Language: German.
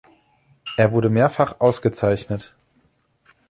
Er wurde mehrfach ausgezeichnet.